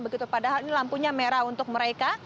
begitu padahal ini lampunya merah untuk mereka